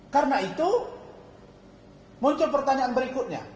karena itu muncul pertanyaan berikutnya